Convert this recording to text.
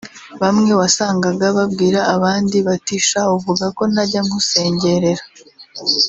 Bamwe wasangaga babwira abandi bati “sha uvuga ko ntajya nkusengerera